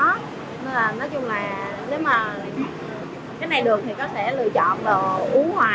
nên là nói chung là nếu mà cái này được thì có thể lựa chọn là uống hoài